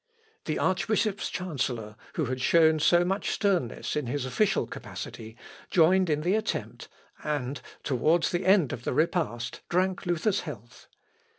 The archbishop's chancellor, who had shown so much sternness in his official capacity, joined in the attempt, and, towards the end of the repast, drank Luther's health.